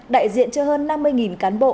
đại diện cho hơn năm mươi cán bộ